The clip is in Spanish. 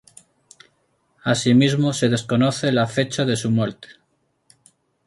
Asimismo se desconoce la fecha de su muerte.